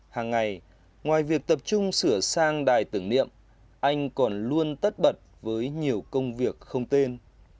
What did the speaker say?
hàng ngày ngoài việc tập trung sửa sang đài tưởng niệm anh còn luôn tất bật với nhiều công việc không tên